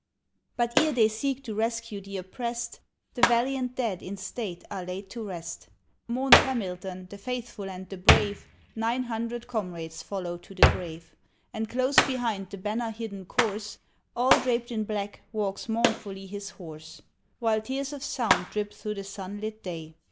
But ere they seek to rescue the oppressed, The valiant dead, in state, are laid to rest. Mourned Hamilton, the faithful and the brave, Nine hundred comrades follow to the grave; And close behind the banner hidden corse All draped in black, walks mournfully his horse; While tears of sound drip through the sunlit day.